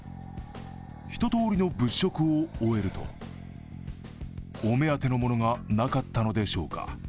一とおりの物色を終えるとお目当てのものがなかったのでしょうか